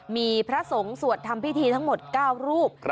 มีพระสงฆ์สวดทำพิธีทั้งหมด๙รูป